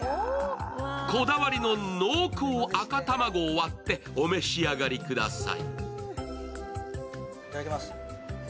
こだわりの濃厚赤卵を割ってお召し上がりください。